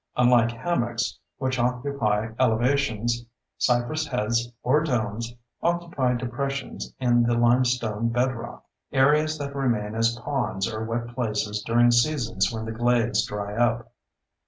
Unlike hammocks, which occupy elevations, cypress heads, or domes, occupy depressions in the limestone bedrock—areas that remain as ponds or wet places during seasons when the glades dry up.